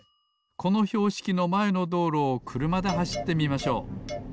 このひょうしきのまえのどうろをくるまではしってみましょう。